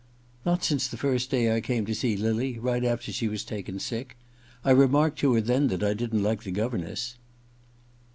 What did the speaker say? * Not since the first day I came to see lily — right after she was taken sick. I remarked to her then that I didn't like the governess.'